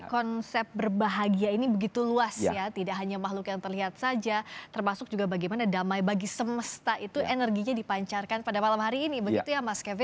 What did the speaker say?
konsep berbahagia ini begitu luas ya tidak hanya makhluk yang terlihat saja termasuk juga bagaimana damai bagi semesta itu energinya dipancarkan pada malam hari ini begitu ya mas kevi